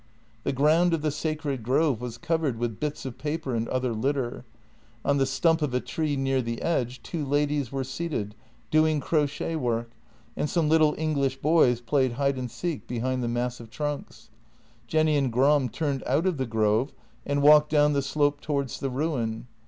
The ground of the sacred grove was covered with bits of paper and other litter; on the stump of a tree near the edge two ladies were seated, doing crochet work, and some little English boys played hide and seek behind the massive trunks. Jenny and Gram turned out of the grove and walked down the slope towards the ruin.